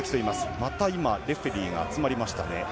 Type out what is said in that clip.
また今、レフェリーが集まりましたね。